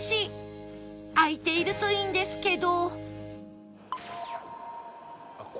開いているといいんですけど